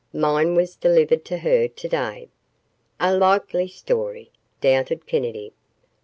Mine was delivered to her today." "A likely story!" doubted Kennedy.